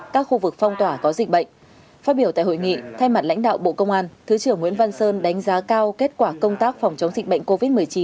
các khu vực phong tỏa có dịch bệnh phát biểu tại hội nghị thay mặt lãnh đạo bộ công an thứ trưởng nguyễn văn sơn đánh giá cao kết quả công tác phòng chống dịch bệnh covid một mươi chín